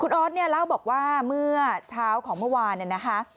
คุณออสเล่าบอกว่าเมื่อเช้าของเมื่อวาน